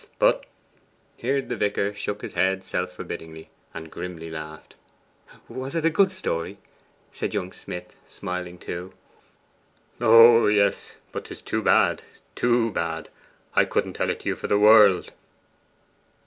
But' here the vicar shook his head self forbiddingly, and grimly laughed. 'Was it a good story?' said young Smith, smiling too. 'Oh yes; but 'tis too bad too bad! Couldn't tell it to you for the world!